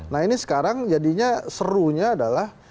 nah ini sekarang jadinya serunya adalah